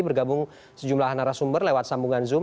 bergabung sejumlah narasumber lewat sambungan zoom